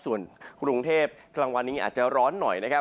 ส่วนกรุงเทพกลางวันนี้อาจจะร้อนหน่อยนะครับ